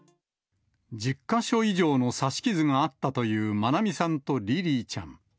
１０か所以上の刺し傷があったという愛美さんとリリィちゃん。